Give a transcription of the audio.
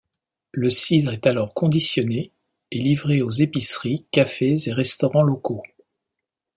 Le cidre est alors conditionné et livré aux épiceries, cafés et restaurants locaux.